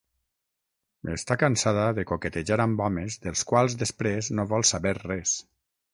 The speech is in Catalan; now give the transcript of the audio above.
Està cansada de coquetejar amb homes dels quals després no vol saber res.